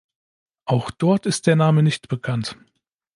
Auch dort ist der Name nicht bekannt.